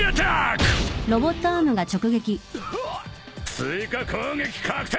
追加攻撃確定！